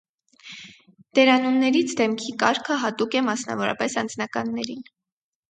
Դերանուններից դեմքի կարգը հատուկ է մասնավորապես անձնականներին։